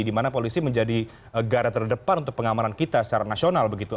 dimana polisi menjadi negara terdepan untuk pengamaran kita secara nasional begitu